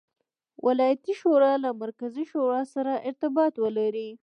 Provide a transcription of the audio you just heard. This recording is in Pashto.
ولایتي شورا له مرکزي شورا سره ارتباط ولري.